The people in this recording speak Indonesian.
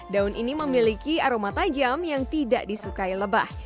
daun ini memiliki aroma tajam yang tidak disukai lebah